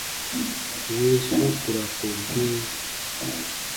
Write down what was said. Weesu ku ra ko gee.